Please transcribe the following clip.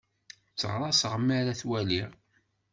Tteɣraṣeɣ mi ara t-waliɣ.